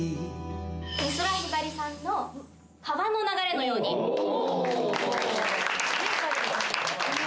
美空ひばりさんの『川の流れのように』お。